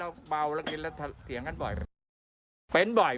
เป็นบ่อยไหมอย่างนี้เราเบาแล้วกินแล้วเถียงกันบ่อยไหม